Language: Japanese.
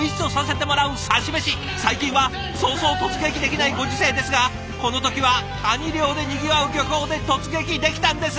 最近はそうそう突撃できないご時世ですがこの時はカニ漁でにぎわう漁港で突撃できたんです。